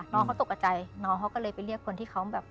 น้องเขาตกกับใจน้องเขาก็เลยไปเรียกคนที่เขาแบบ